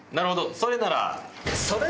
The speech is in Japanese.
それなら。